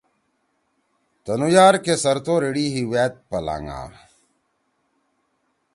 تنُو یار کے سرتور ایِڑی ہی وأد پلانگا